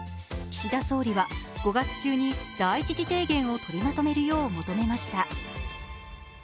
岸田総理は５月中に第１次提言を取りまとめるよう求めました。